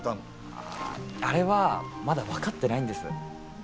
あああれはまだ分かってないんですよ。